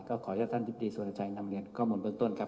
ก็ขออนุญาตท่านติดตรีสวัสดีใจนำเรียนข้อมูลเบื้องต้นครับ